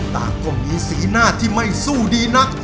ต่างก็มีสีหน้าที่ไม่สู้ดีนัก